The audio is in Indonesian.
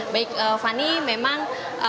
baik fani memang